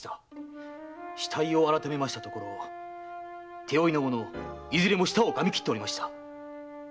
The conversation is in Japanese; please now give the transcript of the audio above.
死体をあらためましたところ手負いの者いずれも舌を咬みきっておりました。